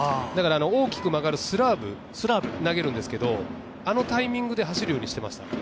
大きく曲がるスラブ投げるんですけどあのタイミングで走るようにしていました。